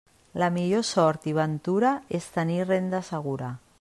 La millor sort i ventura, és tenir renda segura.